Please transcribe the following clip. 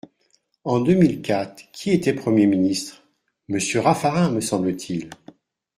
En deux mille quatre, qui était Premier ministre ? Monsieur Raffarin, me semble-t-il.